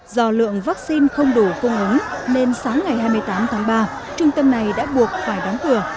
do lượng vaccine không đủ cung ứng nên sáng ngày hai mươi tám tháng ba trung tâm này đã buộc phải đóng cửa